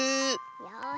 よし。